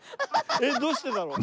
えっどうしてだろう？